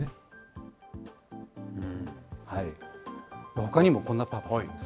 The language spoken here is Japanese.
ほかにもこんなパーパスがあるんです。